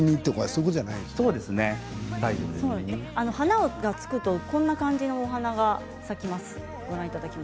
花がつくとこんな感じの花が咲きます。